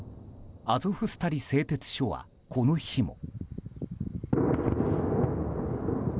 アゾフスタリ製鉄所はこの日も。